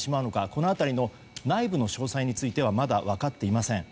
この辺りの内部の詳細についてはまだ分かっていません。